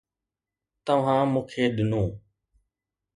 توهان مون کي ڏنو